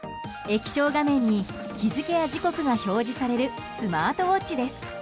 液晶画面に日付や時刻が表示されるスマートウォッチです。